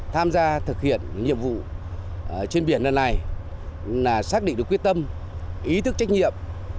tham gia thực hiện nhiệm vụ trên biển lần này là xác định được quyết tâm ý thức trách nhiệm